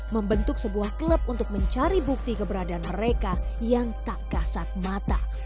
membentuk sebuah klub untuk mencari bukti keberadaan mereka yang tak kasat mata